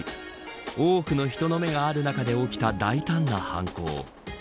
多くの人の目がある中で起きた大胆な犯行。